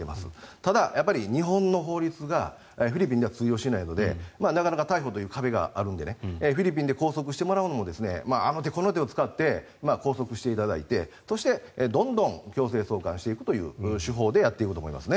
ただ、日本の法律がフィリピンでは通用しないのでなかなか逮捕という壁があるのでフィリピンで拘束してもらうのもあの手この手を使って拘束していただいてそして、どんどん強制送還していくという手法でやっていくと思いますね。